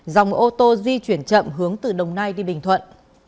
dòng ô tô di chuyển chậm hướng từ đồng nai đi bình thuận